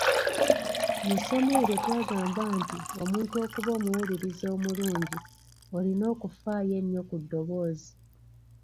Mu ssomo eryo twagamba nti omuntu okuba omuwuliriza omulungi olina okufaayo ennyo ku ddoboozi.